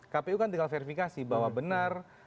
kpu kan tinggal verifikasi bahwa benar